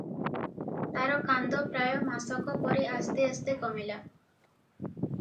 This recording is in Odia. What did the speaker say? ତାର କାନ୍ଦ ପ୍ରାୟ ମାସକ ପରେ ଆସ୍ତେ ଆସ୍ତେ କମିଲା ।